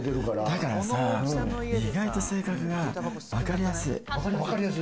だからさ、意外と性格がわかりやすい。